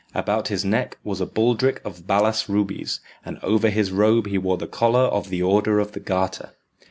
About his neck was a baldric of balas rubies, and over his robe he wore the collar of the Order of the Garter.